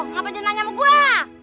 ngapain dia nanya sama gue